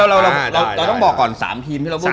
เราต้องบอกก่อน๓ทีมที่เราพูด